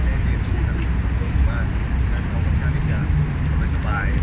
ในเรียนสกมมากแต่เราสามารถการทำงานด้วยกว่าจะเป็นสบาย